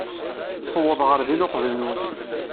Tuweḍ ɣer din uqbel-nwen.